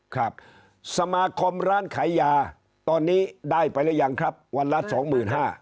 ครับสมาคมร้านขายยาตอนนี้ได้ไปหรือยังครับวันละสองหมื่นห้า